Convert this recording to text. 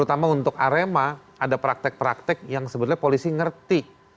terutama untuk arema ada praktek praktek yang sebenarnya polisi ngerti